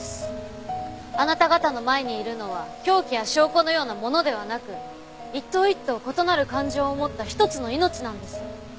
あなた方の前にいるのは凶器や証拠のようなものではなく一頭一頭異なる感情を持った一つの命なんです。